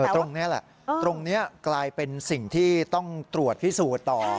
ตรงนี้แหละตรงนี้กลายเป็นสิ่งที่ต้องตรวจพิสูจน์ต่อ